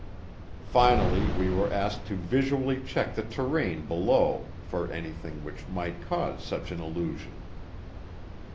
Finally we were asked to visually check the terrain below for anything which might cause such an illusion.